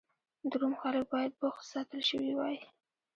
د روم خلک باید بوخت ساتل شوي وای